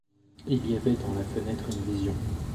Il y avait dans la fenêtre une vision.